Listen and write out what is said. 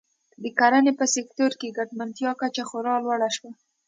د کرنې په سکتور کې ګټمنتیا کچه خورا لوړه شوه.